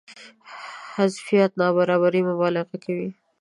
حذفيات نابرابرۍ مبالغه کوي.